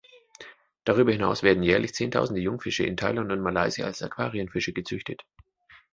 Darüber hinaus werden jährlich zehntausende Jungfische in Thailand und Malaysia als Aquarienfische gezüchtet.